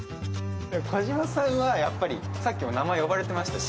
児嶋さんはさっきも名前呼ばれてましたし。